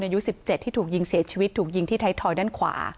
อายุ๑๗ที่ถูกยิงเสียชีวิตถูกยิงที่ไทยทอยด้านขวา